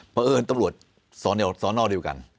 เพราะเอิญตำรวจสอนอเดียวกัน